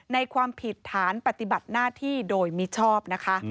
ในความผิดฐานปฏิบัติหน้าที่โดยมีชอบ